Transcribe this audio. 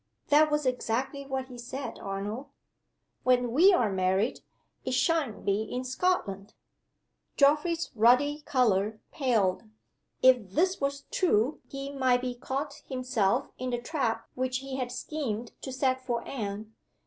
That was exactly what he said, Arnold. When we are married, it sha'n't be in Scotland!" (Geoffrey's ruddy color paled. If this was true he might be caught himself in the trap which he had schemed to set for Anne!